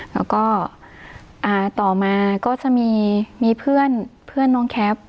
แล้วก็อ่าต่อมาก็จะมีมีเพื่อนเพื่อนน้องแคป